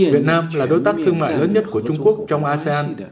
việt nam là đối tác thương mại lớn nhất của trung quốc trong asean